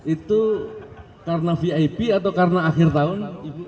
itu karena vip atau karena akhir tahun